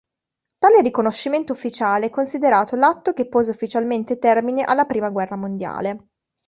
Tale riconoscimento ufficiale è considerato l'atto che pose ufficialmente termine alla prima guerra mondiale.